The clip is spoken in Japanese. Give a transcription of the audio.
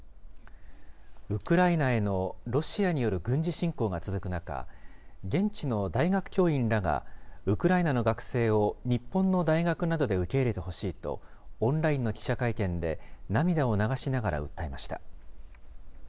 ウクライナへのロシアによる軍事侵攻が続く中、現地の大学教員らが、ウクライナの学生を日本の大学などで受け入れてほしいと、オンラインの記者会見で、涙を流しながら訴えました。